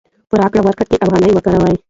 په راکړه ورکړه کې افغانۍ وکاروئ.